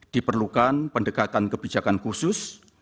diperlukan pendekatan kebijakan khusus